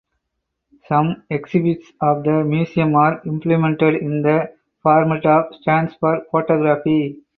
Some exhibits of the museum are implemented in the format of stands for photography.